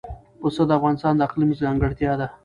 پسه د افغانستان د اقلیم ځانګړتیا ده.